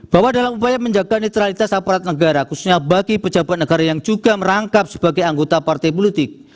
bahwa dalam upaya menjaga netralitas aparat negara khususnya bagi pejabat negara yang juga merangkap sebagai anggota partai politik